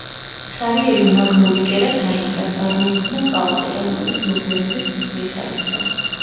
ცარიელი მაგმური კერა დაინგრა, წარმოიქმნა კალდერა, რომელიც მოგვიანებით წყლით აივსო.